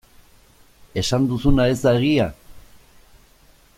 Esan duzuna ez da egia?